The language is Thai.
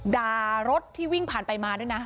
รถที่วิ่งผ่านไปมาด้วยนะ